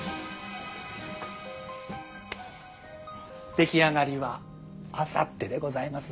出来上がりはあさってでございます。